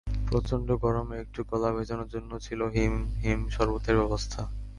প্রচণ্ড গরমে একটু গলা ভেজানোর জন্য ছিল হিম হিম শরবতের ব্যবস্থা।